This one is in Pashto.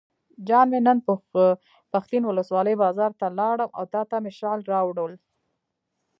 جان مې نن پښتین ولسوالۍ بازار ته لاړم او تاته مې شال راوړل.